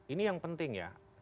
ini yang penting ya